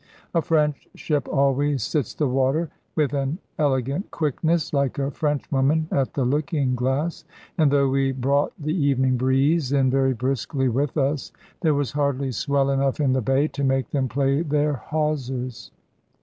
A French ship always sits the water with an elegant quickness, like a Frenchwoman at the looking glass. And though we brought the evening breeze in very briskly with us, there was hardly swell enough in the bay to make them play their hawsers.